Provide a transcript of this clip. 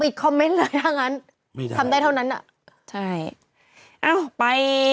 ปิดคอมเมนต์เลยดังนั้นไม่ได้ทำได้เท่านั้นอ่ะใช่เอ้าไป